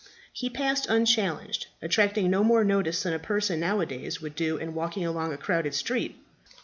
He passed unchallenged, attracting no more notice than a person now a days would do in walking along a crowded street.